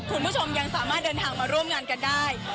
คุณผู้ชมยังสามารถเดินทางมาร่วมงานกันได้